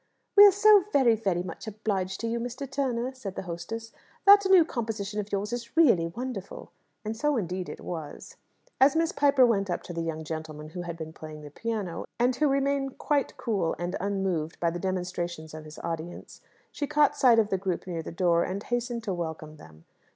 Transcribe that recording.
"We are so very, very much obliged to you, Mr. Turner," said the hostess. "That new composition of yours is really wonderful!" (And so, indeed, it was.) As Miss Piper went up to the young gentleman who had been playing the piano, and who remained quite cool and unmoved by the demonstrations of his audience, she caught sight of the group near the door, and hastened to welcome them.